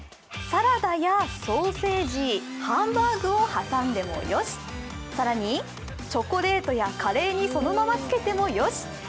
サラダやソーセージハンバーグを挟んでもよし更に、チョコレートやカレーにそのままつけてもよし。